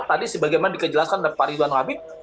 tadi sebagaimana dikejelaskan oleh pak ridwan habib